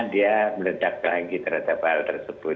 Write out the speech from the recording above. dia meledak lagi terhadap hal tersebut